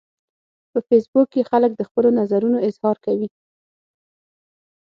په فېسبوک کې خلک د خپلو نظرونو اظهار کوي